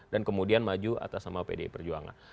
dan kemudian maju atas sama pdi perjuangan